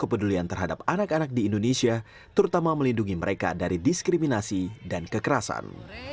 kepedulian terhadap anak anak di indonesia terutama melindungi mereka dari diskriminasi dan kekerasan